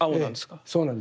そうなんです。